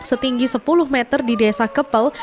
setinggi sepuluh meter di desa kepel